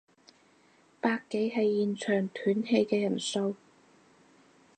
百幾係現場斷氣嘅人數